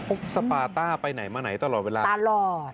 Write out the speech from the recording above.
สปาต้าไปไหนมาไหนตลอดเวลาตลอด